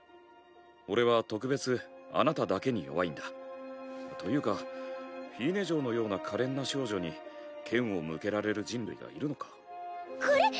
俺は特別あなただけに弱いんだ。というかフィーネ嬢のようなかれんな少女に剣を向けられる人類がいるのか？